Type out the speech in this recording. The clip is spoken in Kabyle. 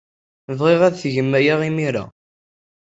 Bɣiɣ ad tgem aya imir-a.